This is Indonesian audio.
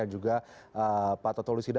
dan juga pak totolusida